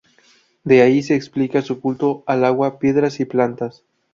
De ahí se explica su culto al agua, piedras y plantas.